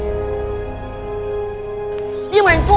jadi dia makin curang